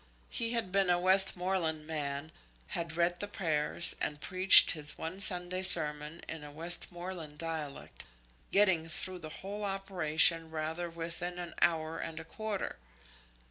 He had been a Westmoreland man, had read the prayers and preached his one Sunday sermon in a Westmoreland dialect, getting through the whole operation rather within an hour and a quarter.